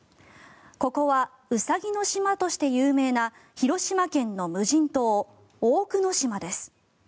ここはウサギの島として有名な広島県の無人島、大久野島です。